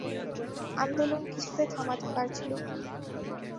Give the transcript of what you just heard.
আন্দোলন কিছুতে থামাতে পারছিল না।